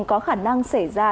có khả năng xảy ra